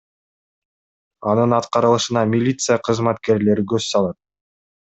Анын аткарылышына милиция кызматкерлери көз салат.